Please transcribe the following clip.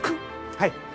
はい。